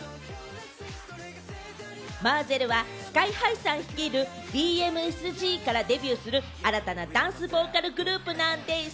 ＭＡＺＺＥＬはＳＫＹ−ＨＩさん率いるＢＭＳＧからデビューする新たなダンスボーカルグループなんでぃす！